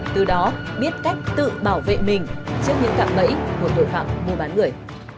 từ đó biết cách tự bảo vệ mình trước những cặp bẫy của tội phạm mua bán người